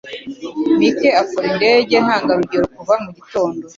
Mike akora indege ntangarugero kuva mugitondo.